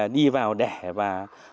đi vào đẻ và